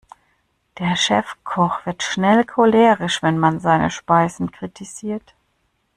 Der Chefkoch wird schnell cholerisch, wenn man seine Speisen kritisiert.